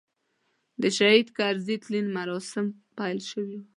د شهید کرزي تلین مراسیم پیل شوي و.